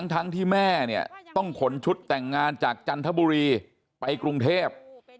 ทั้งที่แม่เนี่ยต้องขนชุดแต่งงานจากจันทบุรีไปกรุงเทพ